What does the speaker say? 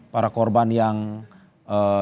para korban yang ee